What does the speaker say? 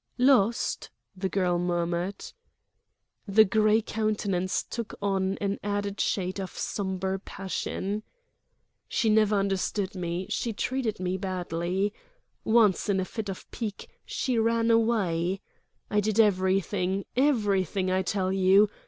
"Lost?" the girl murmured. The gray countenance took on an added shade of sombre passion. "She never understood me, she treated me badly. Once, in a fit of pique, she ran away. I did everything—everything, I tell you!